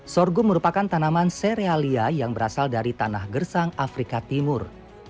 sorghum merupakan tanaman serealia yang berasal dari tanah gersang afrika timur